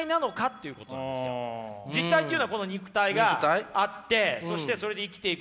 実体っていうのは肉体があってそしてそれで生きていく。